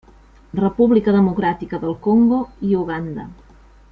República Democràtica del Congo i Uganda.